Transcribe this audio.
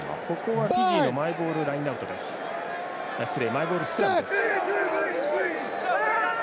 フィジーのマイボールスクラムです。